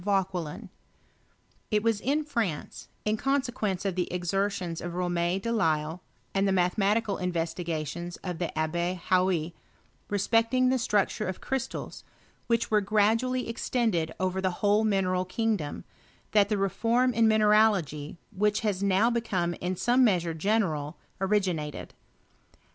Vauquelm. It was; in France, in consequence of the exertions of Rom6 de lisle, and the mathematical investigations of the Abbe Hauy, respecting the structure of crystals,, which were gradually extended over the whole mine Tai kingdom, that the reform in mineralogy, which has now become in some measure general, originated..